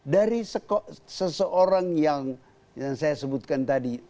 dari seseorang yang saya sebutkan tadi